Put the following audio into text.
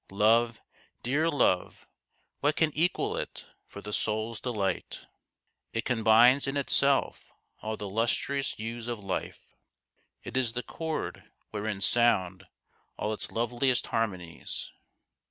Love, dear Love ! what can equal it for the soul's delight ! It combines in itself all the lustrous hues of life ; it is the chord wherein sound all its loveliest harmonies.